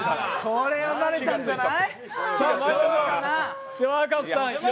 これはバレたんじゃない？